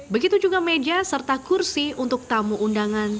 begitu juga meja serta kursi untuk tamu undangan